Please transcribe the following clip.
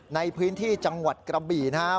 ในพื้นที่จังหวัดกระบี่นะครับ